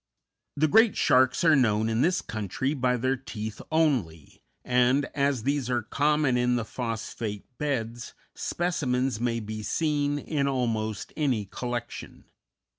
_ _The great sharks are known in this country by their teeth only, and, as these are common in the phosphate beds, specimens may be seen in almost any collection.